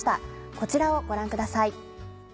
こちらをご覧ください。